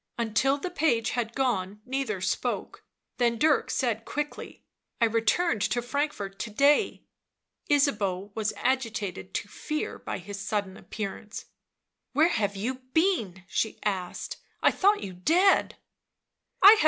Until the naue had gone neither spoke, then Dirk said quickly^ S 1 returned to Frankfort to day." Ysabeau was agitated to fear by his sudden appearance. y suaaen dead" 16 ™ haVe yOU been she asked " I thought you " 1 ha y?.